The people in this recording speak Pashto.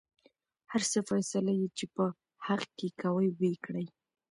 هر څه فيصله يې چې په حق کې کوۍ وېې کړۍ.